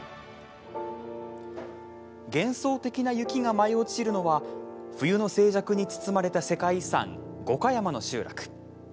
幻想的な雪が舞い落ちるのは冬の静寂に包まれた世界遺産、五箇山の集落。